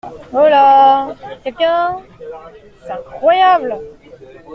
Holà !… quelqu’un !… c’est incroyable !